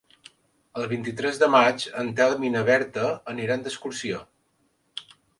El vint-i-tres de maig en Telm i na Berta aniran d'excursió.